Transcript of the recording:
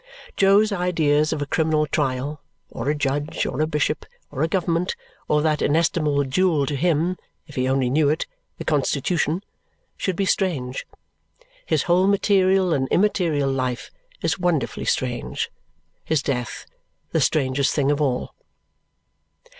Jo's ideas of a criminal trial, or a judge, or a bishop, or a government, or that inestimable jewel to him (if he only knew it) the Constitution, should be strange! His whole material and immaterial life is wonderfully strange; his death, the strangest thing of all.